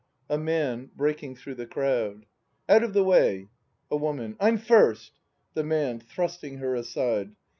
A Man. [Breaking through the crowd.] Out of the way ! A Woman. I'm first! The Man. \Thrusting her aside